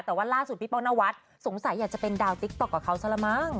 แต่ว่าล่าสุดพี่ป้องนวัดสงสัยอยากจะเป็นดาวติ๊กต๊อกกับเขาซะละมั้ง